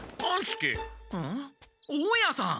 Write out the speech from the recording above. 大家さん！